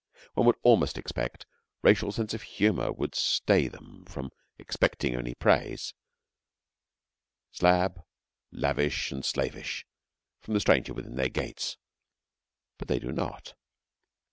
One would almost expect racial sense of humour would stay them from expecting only praise slab, lavish, and slavish from the stranger within their gates. But they do not.